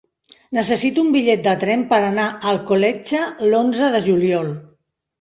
Necessito un bitllet de tren per anar a Alcoletge l'onze de juliol.